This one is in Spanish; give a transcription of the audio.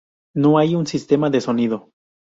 No hay un sistema de sonido.